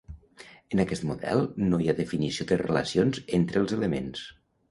En aquest model no hi ha definició de relacions entre els elements.